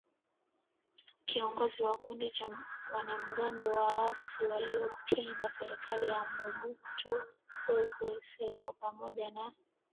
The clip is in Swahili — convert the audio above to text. kiongozi wa kikundi cha wanamgambo waasi waliopinga serikali ya Mobutu Sese SekoPamoja na